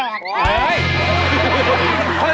ดวงชะตา